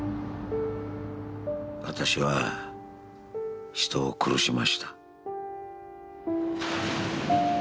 私は人を殺しました。